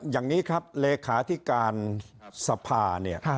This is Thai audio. อย่างนี้ครับเลขาที่การสภา